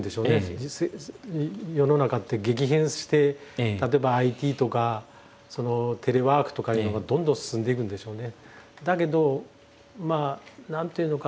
世の中って激変して例えばＩＴとかテレワークとかいうのがどんどん進んでいくんでしょうね。